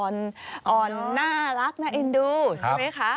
อ่อนน่ารักน่าเอ็นดูใช่ไหมคะ